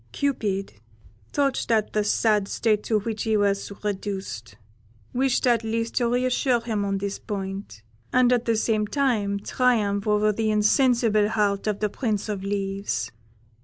"Cupid, touched at the sad state to which he was reduced, wished at least to re assure him on this point, and at the same time triumph over the insensible heart of the Prince of Leaves.